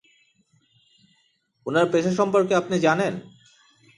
উনার পেশা সম্পর্কে আপনি জানেন?